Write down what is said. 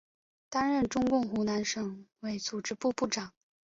担任中共湖南省委组织部部长。